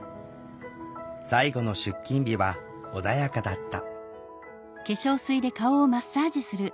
最後の出勤日は穏やかだった。